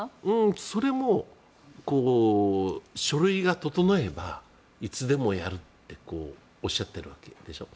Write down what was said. それも書類が整えばいつでもやるっておっしゃっているわけでしょ。